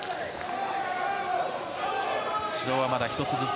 指導はまだ１つずつ。